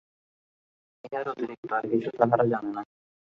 ইহার অতিরিক্ত আর কিছু তাহারা জানে না।